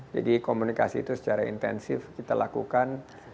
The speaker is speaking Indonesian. jadi komunikasi itu secara intensif kita lakukan